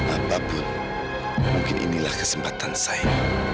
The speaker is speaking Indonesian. apapun mungkin inilah kesempatan saya